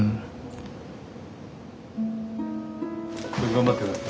頑張ってください。